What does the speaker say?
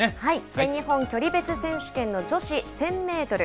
全日本距離別選手権の女子１０００メートル。